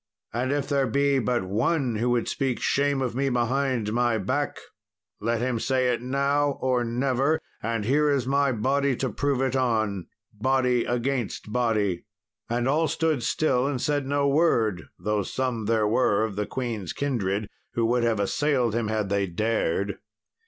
And if there be but one who would speak shame of me behind my back, let him say it now or never, and here is my body to prove it on body against body." And all stood still and said no word, though some there were of the queen's kindred who would have assailed him had they dared.